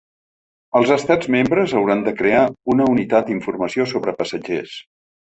Els estats membres hauran de crear una unitat d’informació sobre passatgers.